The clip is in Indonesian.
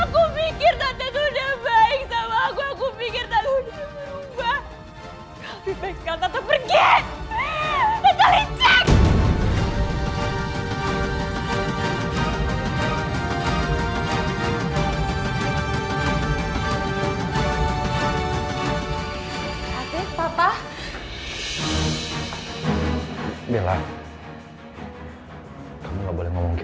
aku pikir tante sudah baik sama aku aku pikir tante sudah berubah